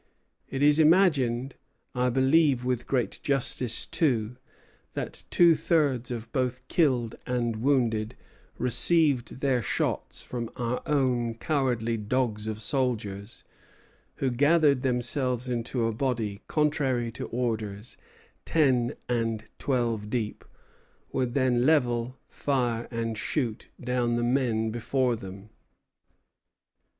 It is imagined (I believe with great justice, too) that two thirds of both killed and wounded received their shots from our own cowardly dogs of soldiers, who gathered themselves into a body, contrary to orders, ten and twelve deep, would then level, fire, and shoot down the men before them."